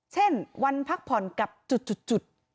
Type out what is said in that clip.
เช่นวันพักผ่อนกับจุด